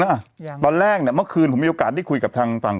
อ่ะตอนแรกเนี่ยเมื่อคืนผมมีโอกาสได้คุยกับทางฝั่ง